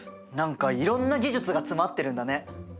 何かいろんな技術が詰まってるんだね。